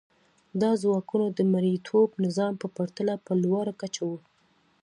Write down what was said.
دا ځواکونه د مرئیتوب نظام په پرتله په لوړه کچه وو.